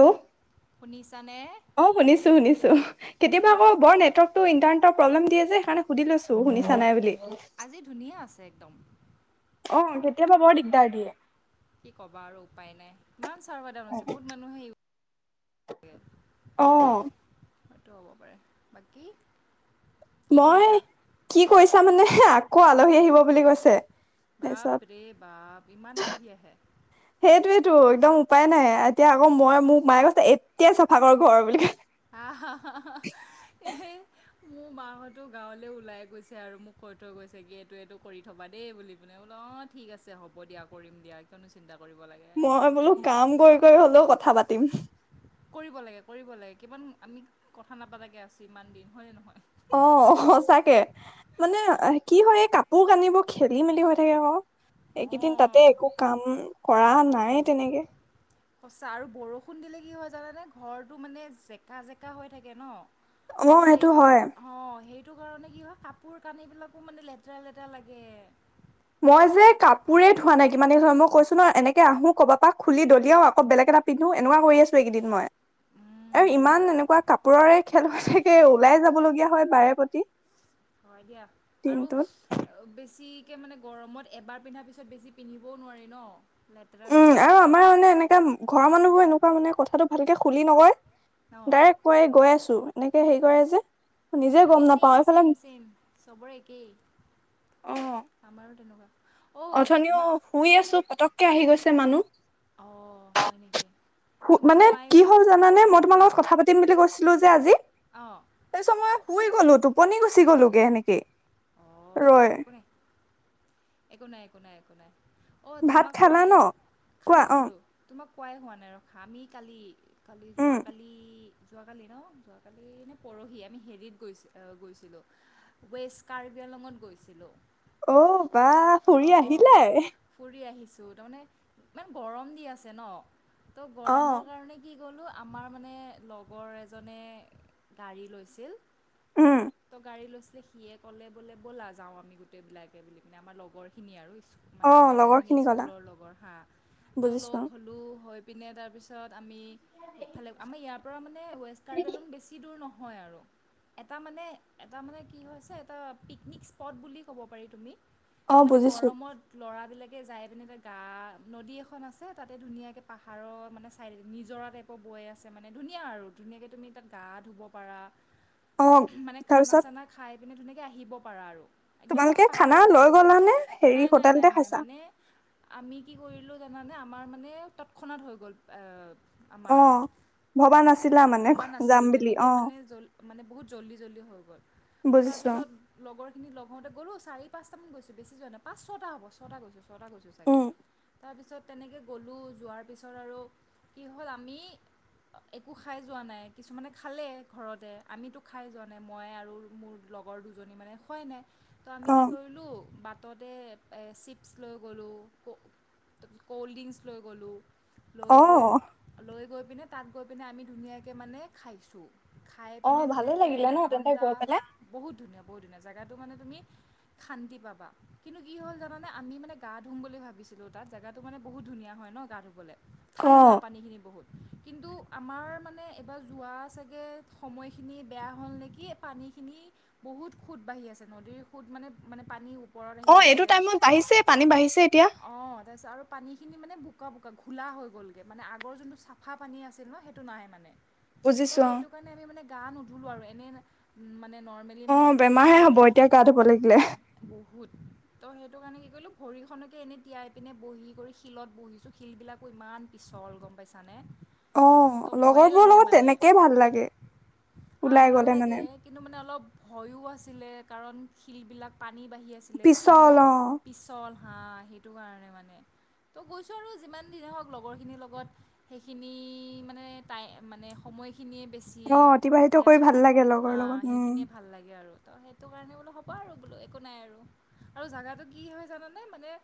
Hello শুনিছানে অ শুনিছো শুনিছো কেতিয়াবা কি আকৌ বৰ নেটৱৰ্ক ইন্টাৰনেটৰ প্ৰবলেম দিয়ে যে, সেইকাৰে সুধি লৈছো শুনিছা নাই বুলি। আজি ধুনীয়া আছে, একদম। অ, কেতিয়াবা বৰ, দিগদাৰ দিয়ে। কি ক'ব আৰু উপায় নাই, ইমান চাৰভাৰ, ডাউন আছে, বহুত মানুহে অ, সেয়তো হ'ব পাৰে, বাকী কি মই কৰিছা কি কৈছা মানে, আকৌ আলহী আহিব বুলি কৈছে। তাৰপিছত বাপৰে, বাপ ইমান আলহী আহে। সেইটোৱেতো, একদম উপায় নাই, এতিয়া আকৌ মই মোক, মায়ে কৈছে এতিয়াই চাফাক ঘৰ বুলি। হা, হা, হা, এই, মোৰ মাহঁতো গাঁৱলে ওলাই গৈছে আৰু মোক কৈ থৈ গৈছে গে তটো, কৰি থবা দেই বুলি পিনে বোললে, অ, ঠিক আছে, হ'ব দিয়া, কৰিম দিয়া কিয়নো চিন্তা কৰিব লাগে। মই বোলো, কাম কৰি, কৰি হ'লেও কথা পাতিম। কৰিব লাগে, কৰিব লাগে, কিমান আমি কথা নাপাতাকে আছো, ইমান দিন হয়নে, নহয়। অ, সচাকে? মানে কি কৰে, এই কাপোৰ কানিবোৰ খেলি মেলি হৈ থাকে বাৰ, এইকেইদিন তাত তে, অঁ একো কাম কৰা নাই তেনেকে সঁচা আৰু বৰষুণ দিলে কি হয় জানানে, ঘৰটো মানে জেকা, জেকা হৈ থাকে ন, অ ত, হেই সেইটো হয় অ, সেইটো কাৰণে কি হয়, কাপোৰ কানিবিলাকো মানে লেতেৰা-লেতেৰা লাগে। মই যে কাপোৰে ধোৱা নাই, কিমান দিন‌ হ'ল মই কৈছো ন, এনেকে আহো কব পৰা খুলি দলিয়ও আকৌ বেলেগ এটা পিন্ধো এনেকুৱা কৰি আছো, একেইদিন মই। উম, আৰু সেই ইমান এনেকুৱা কাপোৰৰে খেলুৱা থাকে ওলাই যাব লগীয়া হয় বাৰে প্ৰতি। হয়, দিয়া আৰু দিনটোত বেছিকে মানে গৰমত, এবাৰ পিন্ধাৰ পিছত বেছি পিন্ধিবও নোৱাৰি ন? লেতেৰা উম, লেতেৰা আৰু লাগে আমাৰ মানে এনেকোৱা ঘৰৰ মানুহবোৰ, এনেকুৱা মানে কথাটো ভালকে খুলি নকয়। ন ডাইৰেক্ট কৈ গৈ আছো। এনেকে হেৰি কৰে যে। নিজে এই গম নাপাও চেইম, এইফালে চেইম, চেইম, চবৰে একেই। অ আমাৰো তেনেকোৱা। অথনিও শুই আছো, পটকে আহি গৈছে মানুহ। অঁ হয় নেকি তোমাক মানে কোৱাই কি হ'ল জানানে? মই তোমাৰ লগত কথা পাতি দিম বুলি কৈছিলো যে, আজি। অ, তাৰ পিছত মই শুই গলো। টোপনি গুচি গলো গ'লে এনেকে। অ, ৰৈ একো নাই, একো নাই, একো নাই, একো নাই। অ, ভাত তোমাক খালা কোৱাই, ন কোৱা খালোঁ, অ খালোঁ। তোমাক কোৱাই হোৱা নাই ৰখা। আমি কালি, কালি, উম যোৱাকালি যোৱাকালি ন, যোৱাকালি নে, পৰহি আমি হেৰিত গৈ গৈছিলোঁ। ৱেষ্ট কাৰ্বিআংলংত গৈছিলোঁ। অ, বাহ। অ, ফুৰি আহিছোঁ, তাৰমানে ইমান গৰম দি আছে ন? ত, অ গৰমৰ কাৰণে কি গ'লো আমাৰ মানে, লগৰ এজনে গাড়ী লৈছিল। উম ত, গাড়ী লৈছিলে। সিয়ে ক'লে বলা যাও, আমি গোটেই বিলাকে বুলি কিনে আমাৰ লগ লগৰখিনি আৰু অ মানে আমাৰ লগৰ যোনখিনি খিনি গলা স্কুলৰ লগৰ হা, ত, বুজিছো লগ হলোঁ হই পিনে তাৰপিছত আমি সেইফালে আমাৰ ইয়াৰ পৰা মানে ৱেষ্ট কাৰ্বি আংলঙ বেছি দূৰ নহয় আৰু। এটা মানে এটা মানে কি হৈছে এটা পিকনিক স্পট বুলি ক'ব পাৰি তুমি। অ মানে বুজিছো গৰমত ল'ৰা বিলাকে যায় পিনে তাত গা নদী এখন আছে তাতে ধুনীয়াকে পাহাৰৰ মানে চাইডে নিজৰা টাইপ বৈ আছে মানে ধুনীয়া আৰু ধুনীয়াকে তুমি তাত গা ধুব পাৰা অ মানে খানা তাৰপিছত -চানা খায় পিনে ধুনীয়াকে আহিব পাৰা আৰু। একদম তোমালোকে পাহাৰ খানা লৈ গলা নে? নাই হেৰি নাই নাই হোটেলতে নাই খাইছা? মানে আমি কি কৰিলোঁ জানানে? আমাৰ মানে তৎক্ষণাত হৈ গ'ল এ অ আমাৰ ভবা নাছিলা মানে ভবা যাম নাছিলোঁ, বুলি তেনেকে অ মানে জল মানে বহুত জল্দি জল্দি হৈ গ'ল। ত বুজিছো তাৰপিছত লগৰ খিনি লগ হওঁতে গ'লো চাৰি, পাঁচটা মান গৈছিলো। বেছি যোৱা নাই পাঁচ, ছটা হব' ছটা গৈছো, ছটা গৈছোঁ চাগে? উম তাৰপিছত তেনেকে গ'লোঁ যোৱাৰ পিছত আৰু কি হ'ল? আমি একো খায় যোৱা নাই, কিছুমানে খালে ঘৰতে। আমিতো খায় যোৱা নাই মই আৰু মোৰ লগৰ দুজনী মানে খোৱাই নাই। ত আমি অ কি কৰিলোঁ? বাটতে এ চিপছ লৈ গ'লোঁ ক তাৰপিছ কল্ড্ৰিংকছ লৈ গ'লোঁ। লৈ অ গৈ লৈ গৈ পিনে তাত গৈ পিনে আমি ধুনীয়াকে মানে খাইছোঁ। খায় অ পিনে ভালে ধুনীয়াকে লাগিলে ন তেন্তে এঘণ্টা গৈ পেলাই বহুত ধুনীয়া বহুত ধুনীয়া জেগাটো মানে তুমি শান্তি পাবা, কিন্তু কি হ'ল জানানে? আমিটো মানে গা ধুম বুলি ভাবিছিলোঁ তাত, জেগাটো মানে বহুত ধুনীয়া হয় ন গা ধুবলে। অ ঠাণ্ডা পানীখিনি বহুত। কিন্তু আমাৰ মানে এবাৰ যোৱা চাগে সময়খিনি বেয়া হ'ল নেকি? পানীখিনি বহুত সুত বাঢ়ি আছে নদীৰ সুত মানে মানে পানী ওপৰত আহি অ এইটো গৈছে টাইমত বাঢ়িছে পানী বাঢ়িছে এতিয়া [inaudible] অঁ তাৰপিছত আৰু পানীখিনি মানে বোকা বোকা ঘোলা হৈ গ'লগে, মানে আগৰ যোনটো চাফা পানী আছিল ন সেইটো নাই মানে। বুজিছো ত' অ সেইটো কাৰণে আমি মানে গা নুধুলো আৰু এনে মানে নৰ্মেল অঁ বেমাৰহে হ'ব এতিয়া গা ধুব লাগিলে। ভূত ত' সেইটো কাৰণে কি কৰিলো, ভৰিখনকে এনেই তিয়াই পিনে বহি কৰি শিলত বহিছোঁ। শিলবিলাকো ইমান পিছল গ'ম পাইছানে! অ ত' ভয়ে লগৰবোৰৰ লাগে লগত মানে, তেনেকেই ভাল লাগে হা ওলাই ভাল গলে মানে লাগে। কিন্তু মানে অলপ ভয়ো আছিলে, কাৰণ শিলবিলাক পানী বাঢ়ি আ ছিলে শিল পিছল অ পিছল হাঁ সেইটো কাৰণে মানে। ত' গৈছো আৰু যিমান দিনে হওঁক লগৰখিনিৰ লগত সেইখিনি মানে তাই মানে সময়খি খিনিয়ে বেছি অ অতিবাহিত কৰি দিয়াচোন, ভাল লাগে লগৰ হা লগত উম সেইখিনিয়ে ভাল লাগে আৰু। ত সেইটো কাৰণে বোলো হ'ব আৰু বোলো একো নাই আৰু, আৰু জোগাটো কি হয় জানানে? মানে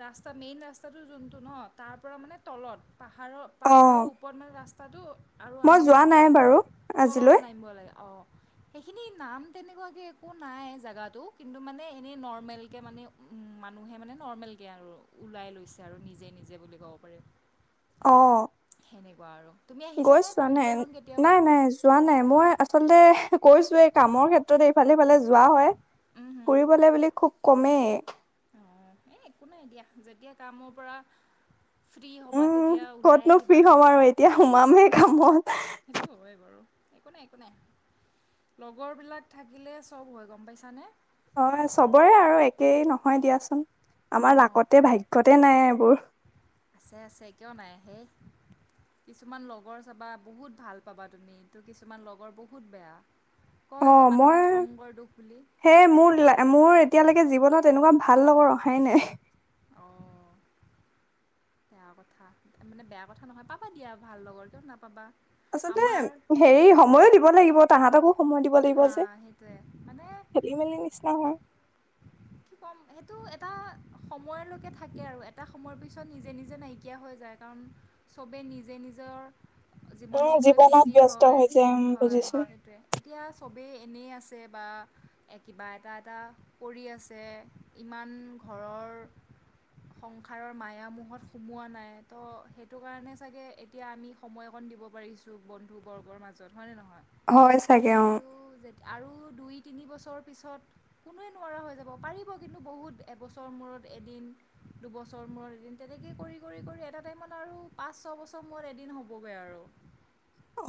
ৰাস্তা মেইন ৰাস্তাটো যোনটো ন তাৰপৰা মানে তলত পাহাৰত অ পাহাৰৰ ওপৰত মানে ৰাস্তাটো আৰু মই আমি যোৱা মানে নাই বাৰু তললে আজিলৈ নামিব লাগে, অ। সেইখিনি নাম তেনেকুৱাকে একো নাই জাগাতো কিন্তু মানে এনেই নৰ্ম নৰ্মেলকে মানে মানুহে মানে নৰ্মেলকে আৰু ওলাই লৈছে আৰু নিজে নিজে বুলি ক'ব পাৰি। [inaudible] অঁ। সেনেকুৱা আৰু, তুমি আহিছা নে নাই কাৰ্বি আলং নাই কেতিয়াবা? নাই যোৱা নাই। মই আচলতে কৈছোৱে এই কামৰ ক্ষেত্ৰত ইফালে সফালে যোৱা হয়। উম হুম ফুৰিবলৈ বুলি খুব কমেই অঁ, এই একো নাই দিয়া। যেতিয়া কামৰ পৰা ফ্ৰী হ'বা, উম তেতিয়া ওলাই ক'তনো ফ্ৰী আহিবা। হ'ম আৰু এতিয়া সোমামহে কামত সেইটো হয় বাৰু, একো নাই, একো নাই। লগৰবিলাক থাকিলে চব হয়। গ'ম পাইছানে? অ' চবৰে আৰু একেই নহয় দিয়াচোন, আমাৰ অঁ লাকতে, ভাগ্যতে নাই এইবোৰ। আছে, আছে, কিয় নাই হেই। কিছুমান লগৰ চাবা বহুত ভাল পাবা তুমি, ত' কিছুমান লগৰ বহুত বেয়া। কয় যে মানুহে সংগৰ দোষ বুলি। হে মোৰ লা, মোৰ এতিয়ালৈকে জীৱনত এনেকুৱা ভাল লগৰ অহাই নাই। অ' বেয়া কথা, মানে বেয়া কথা নহয়, পাবা দিয়া ভাল লগৰ কিয় নাপাবা। আচলতে আমাৰ হেৰি সময়ো দিব লাগিব, তাহঁতকো সময় দিব লাগিব হা যে সেইটোৱে মানে [unintelligible] মেলি নিচিনা হয়। কি ক'ম, সেইটো এটা সময়লৈকে থাকে আৰু, এটা সময়ৰ পিছত নিজে নিজে নাইকিয়া হৈ যায়। কাৰণ, চবেই নিজে নিজৰ উম, জীৱনক লৈ জীৱনত বিজি ব্যস্ত হয়, হৈ যায় উম, হয়, বুজিছো সেইটোৱেই। এতিয়া চবেই এনেই আছে বা কিবা এটা এটা কৰি আছে ছে ইমান ঘৰৰ সংসাৰৰ মায়া মোহত সোমোৱা নাই, ত' সেইটো কাৰণে চাগে এতিয়া আমি সময় অকণ দিব পাৰিছোঁ বন্ধুবৰ্গৰ মাজত। হয়নে নহয়? হয় চাগে অ', কিন্তু যেত আৰু দুই তিনি বছৰৰ পিছত কোনোৱে নোৱাৰা হৈ যাব। পাৰিব কিন্তু বহুত, এবছৰ মূৰত এদিন। দুবছৰ মূৰত এদিন। তেনেকেই কৰি, কৰি, কৰি এটা টাইমত আৰু পাঁচ ছয়বছৰ মূৰত এদিন হ'বগৈ আৰু।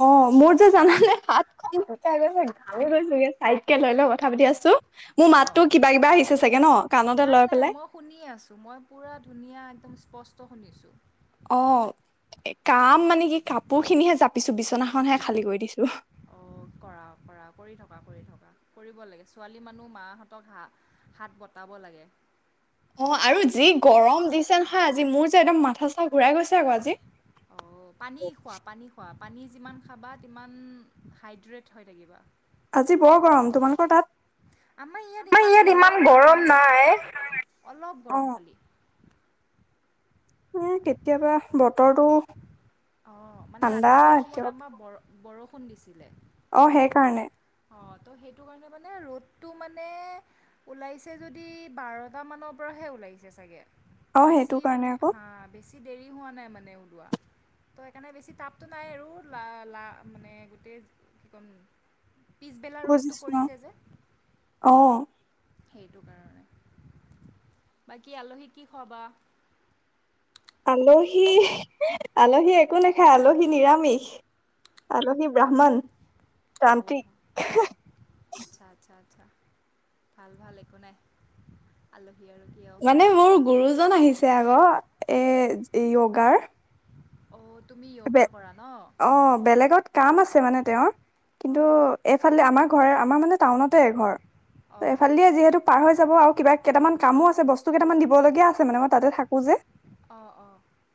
অ' মোৰ যে জানানে হাতখন [unintelligible] আমি গৈছো [unintelligible] চাইটকে লৈ লৈ কথা পাতি আছো মোৰ অঁ মাততো কিবা কিবা আহিছে চাগে ন? কাণতে লৈ পেলাই শুনি আছোঁ, মই পুৰা ধুনীয়া একদম স্পষ্ট শুনিছোঁ। অ' কাম মানে কি কাপোৰ খিনিহে জাপিছো, বিচনাখনহে খালী কৰি দিছো। অ' কৰা, কৰা, কৰি থকা, কৰি থকা। কৰিব লাগে, ছোৱালী মানুহ মাহঁতক হাঁ হাত বটাব লাগে। অ' আৰু যি গৰম দিছে নহয় আজি, মোৰ যে একদম মাথা চাথা ঘূৰাই গৈছে আকৌ আজি। অঁ পানী খোৱা, পানী খোৱা। পানী যিমান খাবা, সিমান হাইড্ৰেট হৈ থাকিবা। আজি বৰ গৰম, তোমালোকৰ তাত? আমাৰ ইয়াত ইমান গৰম নাই। অলপ গৰম অহ্ খালি এ কেতিয়াবা বতৰটো, অঁ মানে ঠাণ্ডা ৰাতিপুৱা সময়ত কেতিয়াবা আমাৰ ব বৰষুণ দিছিলে। অ সেইকাৰণে। অ ত' সেইটো কাৰণে মানে, ৰ'দটো মানে, ওলাইছে যদি বাৰটামানৰ পৰাহে ওলাইছে চাগে। অ সেইটো বেছি কাৰণে মানে আকৌ হা, বেছি দেৰি হোৱা নাই মানে ওলোৱা তো সেইকাৰণে বেছি তাপটো নাই আৰু লা, লা, মানে গোটেই কি ক'ম পিছবেলা ৰ'দটো বুজিছো পৰিছে যে, অ। সেইটো কাৰণে। বাকী আলহীক কি খোৱাবা? আলৈ পেহি আলহী একো নাখায় আলহী নিৰামিষ আলহী ব্ৰাহ্মণ। অঔ তান্ত্ৰিক আচ্ছা আচ্ছা আচ্ছা ভাল ভাল একো নাই আলহী আৰুহী অ মানে মোৰ গুৰুজন আহিছে আক এ য়োগাৰ অ তুমি য়োগা কৰা ন অ বেলেগত কাম আছে মানে তেওঁৰ কিন্তু হয়। এইফালে আমাৰ ঘৰ আমাৰ মানে টাউনতে ঘৰ ত অঁ এফালে দিয়ে যিহেতু পাৰ হৈ যাব আৰু কিবা কেইটামান কামো আছে বস্তু কেইটামান দিবলগীয়া আছে মানে মই তাতে থাকো যে। অ অ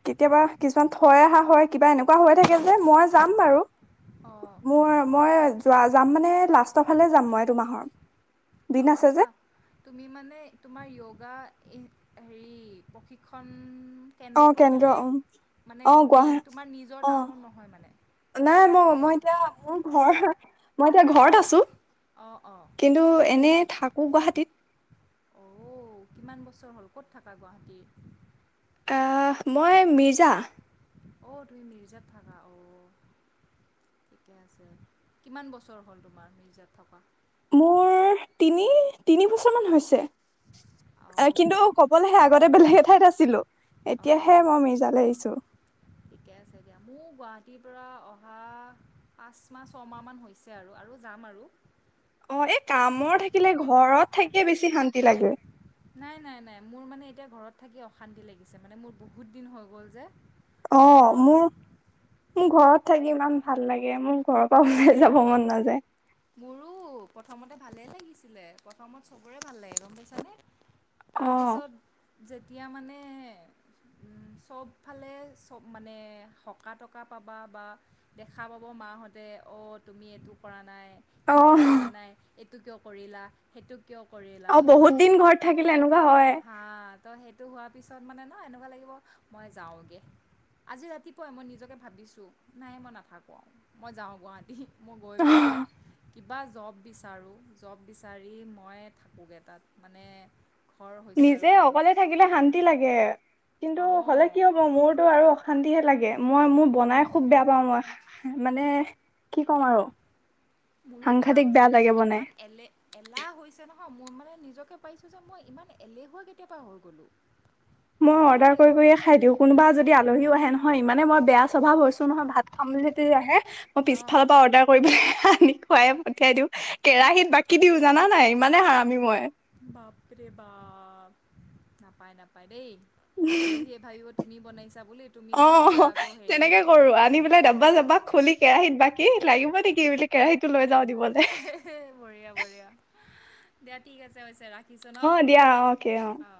কেতিয়াবা কিছুমান থৈ অহা হয় কিবা এনেকোৱা হৈ থাকে এ মই যাম বাৰু অঁ মোৰ মই যোৱা যাম মানে লাষ্টৰ ফালে যাম মই এইটো মাহৰ। দিন অ আছে থা যে তুমি মানে তোমাৰ য়োগা ই হেৰি প্ৰশিক্ষণ অ', কেন্দ্ৰটো কেন্দ্ৰ বেলেগ উম মানে অ', গুৱাহা মেইন তোমাৰ নিজৰ অ', টাউনত নহয় মানে নাই মই মই এতিয়া মোৰ ঘৰ মই এতিয়া ঘৰত আছো অঁ অঁ কিন্তু এনে থাকো গুৱাহাটীত অ কিমান বছৰ হ'ল ক'ত থাকা গুৱাহাটীৰ এ মই মিৰ্জা অ তুমি মিৰজাত থাকা অ ঠিকে আছে, কিমান বছৰ হ'ল তোমাৰ মিৰ্জাত থকা মোৰ তিনি তিনি বছৰ মান হৈছে। এ কিন্তু অ' কবলৈহে আগতে বেলেগ এঠাইত আছিলো অ' এতিয়াহে মই অ' মিৰ্জালৈ আহিছো [unintelligible] ঠিকে আছে দিয়া মোৰ গুৱাহাটীৰ পৰা অহা পাঁচ মাহ ছমাহমান হৈছে আৰু আৰু যাম আৰু অ এই কামৰ থাকিলে ঘৰত থাকিয়ে বেছি শান্তি লাগে নাই নাই নাই মোৰ মানে এতিয়া ঘৰত থাকি অশান্তি লাগিছে মানে মোৰ বহুত দিন হৈ গ'ল যে অ ঘৰৰ মোৰ মোৰ ঘৰত থাকি ইমান ভাল লাগে মোৰ ঘৰৰ পৰা ওলাই যাব মন নাযায়। মোৰো প্ৰথমতে ভালেই লাগিছিলে প্ৰথমত চবৰে ভাল লাগে গম পাইছানে অ তাৰপিছত যেতিয়া মানে উম চবফালে চব মানে হকা টকা পাবা বা দেখা পাব মাহঁতে অ' তুমি এইটো কৰা নাই অ সিটো কৰা নাই এইটো কিয় কৰিলা সেইটো কিয় কৰিলা অ তো বহুত দিন ঘৰত থাকিলে এনেকোৱা হয়ে। হা ত সেইটো হোৱাৰ পিছত মানে ন এনেকোৱা লাগিব মই যাওঁগে। আজি ৰাতিপুৱাই মই নিজকে ভাবিছো নাই মই নাথাকো আও মই যাওঁ গুৱাহাটী। মই গৈ পিনে অহ, কিবা জব বিচাৰো জব বিচাৰি মই থাকোগে তাত মানে ঘৰ হৈছে আৰু নিজে বহুত অকলে থাকিলে শান্তি লাগে কিন্তু হ'লে অঁ কি হ'ব মোৰতো আৰু অশান্তিহে লাগে মই মোৰ বনাই খুব বেয়া পাওঁ মই মানে কি ক'ম আৰু মোৰো কিবা সাংঘাতিক হৈছে বেয়া মোৰ লাগে বনাই ইমান এলে এলাহ হৈছে নহয় মই মানে নিজকে পাইছোঁ যে মই ইমান এলেহুৱা কেতিয়া পা হৈ গ'লোঁ। মই বহুত অৰ্ডাৰ কৰি এলেহুৱা হৈ কৰিয়ে খাই গৈছোঁ দিওঁ কোনোবা যদি আলহীও আহে নহয় ইমানে মই বেয়া স্বভাৱ হৈছো নহয় ভাত খাম বুলি হেঁতি আহে মই অঁ পিছালৰ পৰা অৰ্ডাৰ কৰি পিনে আনি খুৱাই পঠিয়াই দিওঁ কেৰাহীত বাকী দিওঁ জানা নাই ইমানে হাৰমি মই। বাপৰে বাপ নাপায় নাপায় দেই আলহীয়ে ভাবিব তুমি বনাইছা বুলি তুমি অ খুৱাইছা আকৌ তেনেকে হেৰিহে কৰোঁ আনি পেলাই দাব্বা চাবা। খুলি কেৰাহীত বাকী লাগিব নেকি বুলি কেৰাহীতো লৈ যাওঁ দিব। বঢ়িয়া বঢ়িয়া দিয়া ঠিক আছে হৈছে ৰাখি ৰাখিছোঁ অ দিয়া অকে ন অ